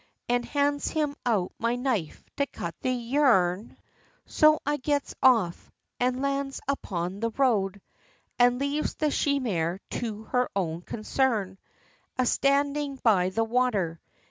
And hands him out my knife to cut the yarn. So I gets off, and lands upon the road, And leaves the she mare to her own consarn, A standing by the water.